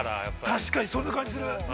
◆確かに、そんな感じする。